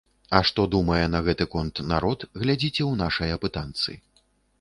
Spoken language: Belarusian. А што думае на гэты конт народ, глядзіце ў нашай апытанцы.